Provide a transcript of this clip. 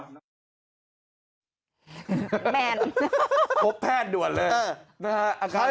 แม่นพบแพทย์ด่วนเลย